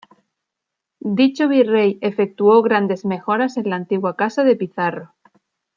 Dicho virrey efectuó grandes mejoras en la antigua casa de Pizarro.